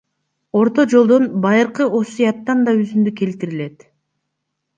Орто жолдон — Байыркы Осуяттан да үзүндү келтирет.